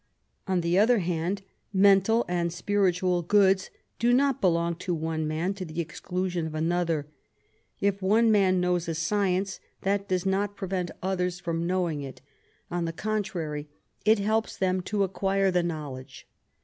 On the other hand, mental and spiritual goods do not belong to one man to the exclusion of another. If one man knows a science, that does not prevent others from knowing it; on the contrary, it helps them to acquire the knowledge.